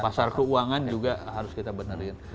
pasar keuangan juga harus kita benerin